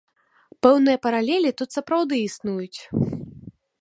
Пэўныя паралелі тут сапраўды існуюць.